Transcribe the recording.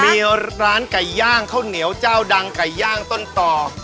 มีร้านไก่ย่างข้าวเหนียวเจ้าดังไก่ย่างต้นต่อ